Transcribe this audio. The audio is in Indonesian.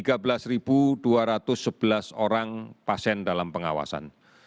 kepulauan rio satu ratus dua puluh satu orang pasien dalam pengawasan